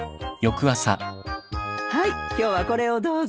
はい今日はこれをどうぞ。